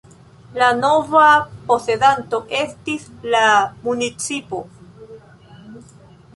La nova posedanto estis la municipo.